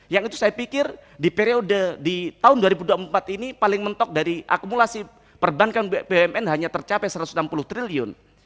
yang itu saya pikir di periode di tahun dua ribu dua puluh empat ini paling mentok dari akumulasi perbankan bumn hanya tercapai satu ratus enam puluh triliun